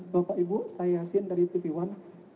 bapak ibu saya yasin dari tv one